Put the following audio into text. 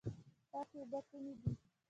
پاکې اوبه کومې دي؟